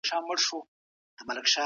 د تخیل طرز په هنري ادبیاتو کې وي.